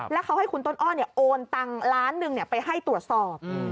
แล้วเขาให้คุณต้นอ้อนโอนตังล้านหนึ่งไปให้ตรวจสอบ